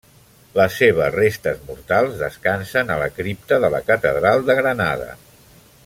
Les seves restes mortals descansen a la cripta de la catedral de Granada.